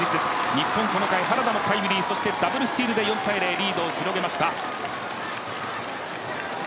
日本、この回、原田のタイムリーそしてダブルスチールで４−０リードを広げました。